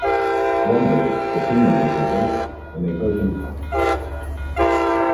One day, the team members were drinking, when they heard him coming.